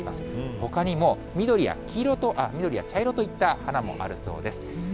ほかにも緑や茶色といった花もあるそうです。